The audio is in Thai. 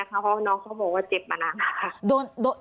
เพราะน้องเขาบอกว่าเจ็บมานานค่ะ